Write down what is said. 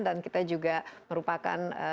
dan kita juga merupakan